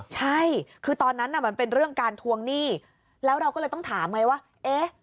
ใช่คือตอนนั้นน่ะมันเป็นเรื่องการทวงหนี้แล้วเราก็เลยต้องถามไงว่าเอ๊ะ